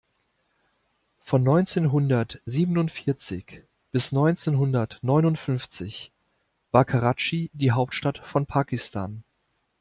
Von neunzehnhundertsiebenundvierzig bis neunzehnhundertneunundfünfzig war Karatschi die Hauptstadt von Pakistan.